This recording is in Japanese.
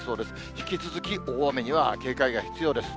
引き続き大雨には警戒が必要です。